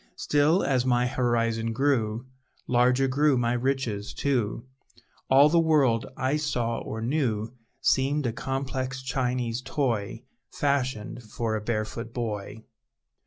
Still, as my horizon grew, Larger grew my riches, too; All the world I saw or knew Seemed a complex Chinese toy, Fashioned for a barefoot boy!